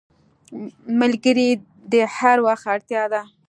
ملګری د هر وخت اړتیا ده